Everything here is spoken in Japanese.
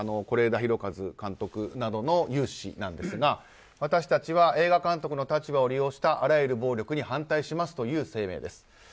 是枝裕和監督などの有志ですが私たちは映画監督の立場を利用したあらゆる暴力に反対しますという声明です。